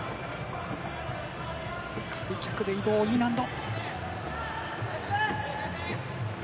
開脚で移動、Ｅ難度。